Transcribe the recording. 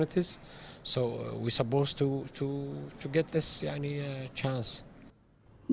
jadi kita harus mendapatkan kesempatan ini